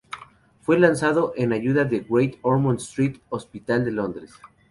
Fue lanzado en ayuda de Great Ormond Street Hospital de Londres.